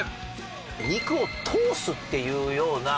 肉を通すっていうような。